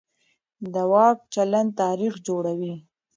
د واک چلند تاریخ جوړوي